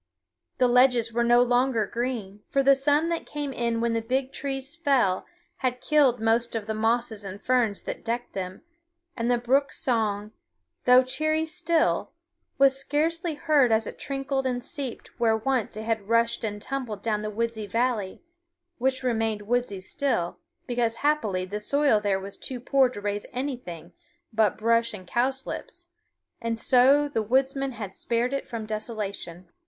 The ledges were no longer green, for the sun that came in when the big trees fell had killed most of the mosses and ferns that decked them; and the brook's song, though cheery still, was scarcely heard as it trickled and seeped where once it had rushed and tumbled down the woodsy valley, which remained woodsy still, because happily the soil there was too poor to raise anything but brush and cowslips, and so the woodsmen had spared it from desolation.